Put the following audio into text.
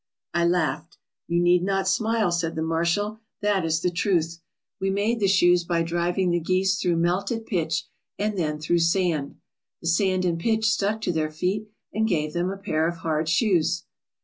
I laughed. "You need not smile/' said the marshal; "that is the truth. We made the shoes by driving the geese through melted pitch and then through sand. The sand and pitch stuck to their feet and gave them a pair of hard shoes.